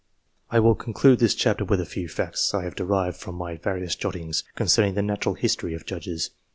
I will conclude this chapter with a few facts I have derived from my various jottings, concerning the." natural history " of Judges.